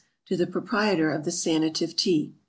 _To the Proprietor of the Sanative Tea.